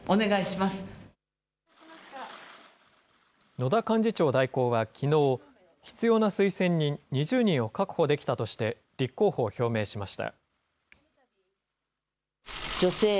野田幹事長代行はきのう、必要な推薦人２０人を確保できたとして、立候補を表明しました。